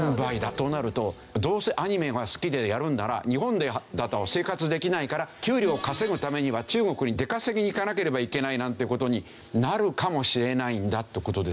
となるとどうせアニメが好きでやるなら日本だと生活できないから給料を稼ぐためには中国に出稼ぎに行かなければいけないなんて事になるかもしれないんだって事ですよ。